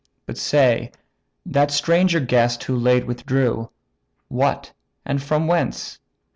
But say, that stranger guest who late withdrew, What and from whence?